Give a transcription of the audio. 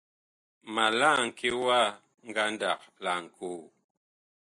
Ma laŋke wa ngandag laŋkoo.